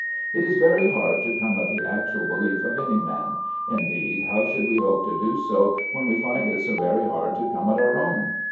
It is very hard to come at the actual belief of any man. Indeed how should we hope to do so when we find it so very hard to come at our own?